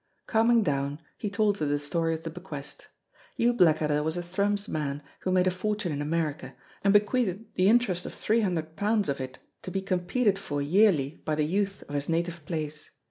Calming down, he told her the story of the bequest. Hugh Blackadder was a Thrums man who made a fortune in America, and bequeathed the interest of three hundred pounds of it to be competed for yearly by the youth of his native place.